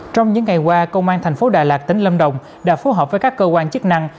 trong những ngày qua công an thành phố đà lạt tỉnh lâm đồng đã phối hợp với các cơ quan chức năng